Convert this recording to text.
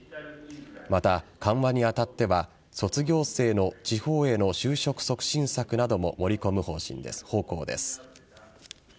また、緩和に当たっては卒業生の地方への就職促進策なども盛り込む方向です。